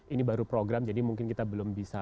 ini baru program jadi mungkin kita belum bisa